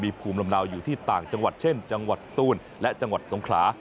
ภูมิลำเนาอยู่ที่ต่างจังหวัดเช่นจังหวัดสตูนและจังหวัดสงขลา